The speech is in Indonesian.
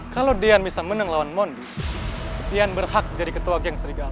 kalau dian bisa menang lawan mondi dian berhak jadi ketua geng serigala